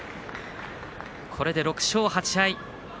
これで６勝８敗。